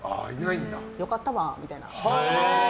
良かったわ、みたいな。